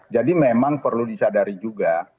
jadi memang perlu disadari juga